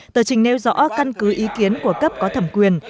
tờ trình nêu rõ căn cứ ý kiến của cấp có thẩm quyền